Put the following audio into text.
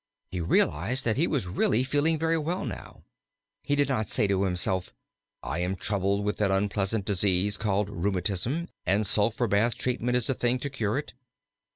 He realized that he was really feeling very well now. He did not say to himself, "I am troubled with that unpleasant disease called rheumatism, and sulphur bath treatment is the thing to cure it."